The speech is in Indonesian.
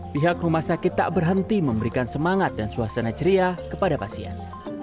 pihak rumah sakit tak berhenti memberikan semangat dan suasana ceria kepada pasien